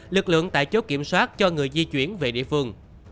lực lượng tại chốt kiểm soát cho người di chuyển về địa phương